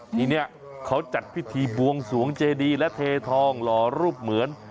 ที่นี่เขาจัดพิธีบวงสวงเจดีและเททองหล่อรูปเหมือน